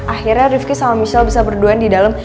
akhirnya rifki sama michelle bisa berduaan di dalam